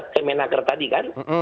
kemenaker tadi kan